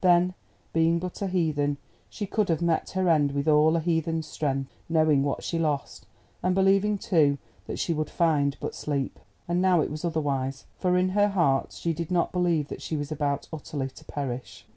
Then being but a heathen, she could have met her end with all a heathen's strength, knowing what she lost, and believing, too, that she would find but sleep. And now it was otherwise, for in her heart she did not believe that she was about utterly to perish.